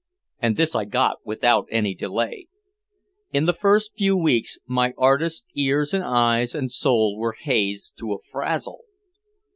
And this I got without any delay. In the first few weeks my artist's ears and eyes and soul were hazed to a frazzle.